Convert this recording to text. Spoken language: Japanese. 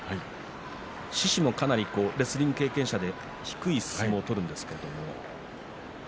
獅司もレスリング経験者でかなり低い相撲を取るんですけれども。